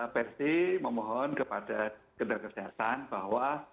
perti memohon kepada kederaan kesehatan bahwa